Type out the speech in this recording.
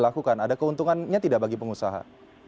ada keuntungannya tidak bagi pengusaha